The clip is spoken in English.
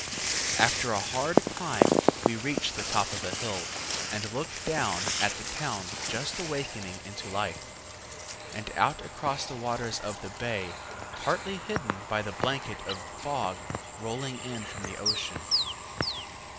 After a hard climb we reach the top of the hill, and look down at the town just awakening into life, and out across the waters of the bay partly hidden by the blanket of fog rolling in from the ocean.